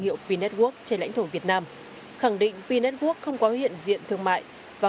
hiệu pi network trên lãnh thổ việt nam khẳng định pi network không có hiện diện thương mại và